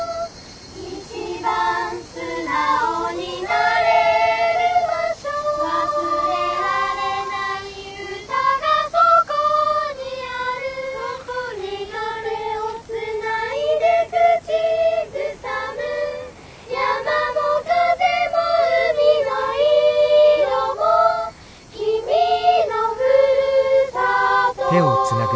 「いちばん素直になれる場所」「忘れられない歌がそこにある」「手と手をつないで口ずさむ」「山も風も海の色も」「君のふるさと」